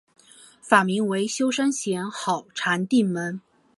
法名为休山贤好禅定门。